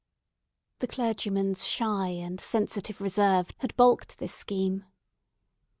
The clergyman's shy and sensitive reserve had balked this scheme.